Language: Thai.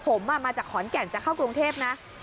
ผมมาจากขอนแก่นจะเข้ากรุงเทพนะ